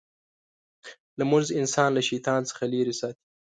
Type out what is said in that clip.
لمونځ انسان له شیطان څخه لرې ساتي.